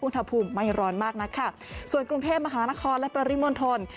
อุณหภูมิไม่ร้อนมากนะค่ะส่วนกรุงเทพมหานครและปริมนธน